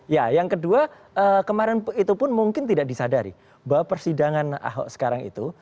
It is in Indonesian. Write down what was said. ya yang kedua kemarin itu pun mungkin tidak disadari bahwa persidangan ahok sekarang itu